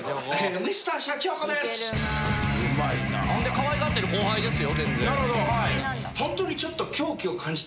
可愛がってる後輩ですよ。